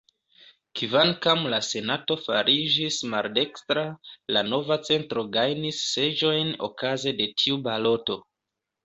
Kvankam la Senato fariĝis maldekstra, la Nova Centro gajnis seĝojn okaze de tiu baloto.